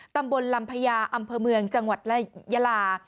ตำบลลำพญาอำเภอเมืองจังหวัดยาลา